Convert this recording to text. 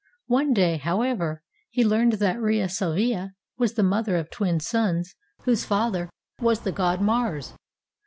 One day, however, he learned that Rhea Sylvia was the mother of twin sons whose father was the god Mars.